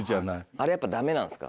あれやっぱダメなんですか？